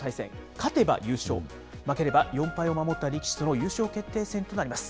勝てば優勝、負ければ４敗を守った力士との優勝決定戦となります。